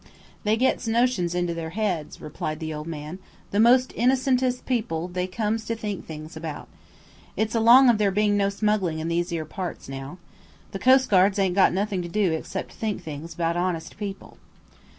"They gets notions into their heads," replied the old man; "the most innocentest people they comes to think things about. It's along of there being no smuggling in these ere parts now. The coastguards ain't got nothing to do except think things about honest people."